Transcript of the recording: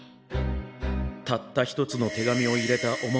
たった一つの手紙を入れたお守り袋